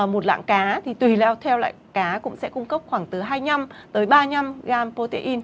một lạng cá thì tùy theo lạng cá cũng sẽ cung cấp khoảng từ hai mươi năm tới ba mươi năm gram protein